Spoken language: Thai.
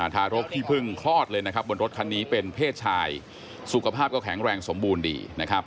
ทารกที่เพิ่งคลอดเลยนะครับบนรถคันนี้เป็นเพศชายสุขภาพก็แข็งแรงสมบูรณ์ดีนะครับ